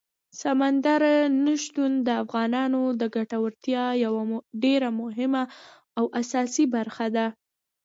سمندر نه شتون د افغانانو د ګټورتیا یوه ډېره مهمه او اساسي برخه ده.